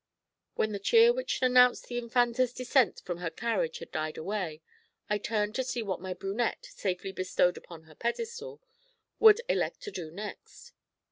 When the cheer which announced the infanta's descent from her carriage had died away, I turned to see what my brunette, safely bestowed upon her pedestal, would elect to do next.